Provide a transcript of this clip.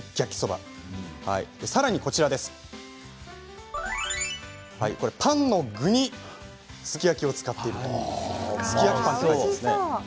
さらにパンの具にすき焼きを使っているすき焼きパンです。